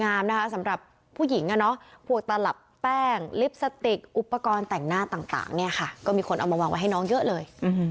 เอามาวางวางให้น้องเยอะเลย